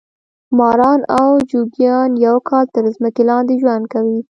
ماران او جوګیان یو کال تر مځکې لاندې ژوند کوي.